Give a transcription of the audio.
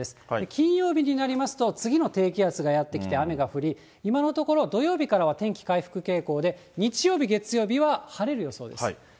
金曜日になりますと、次の低気圧がやって来て雨が降り、今のところ、土曜日からは天気回復傾向で、日曜日、月曜日は晴れる予想です。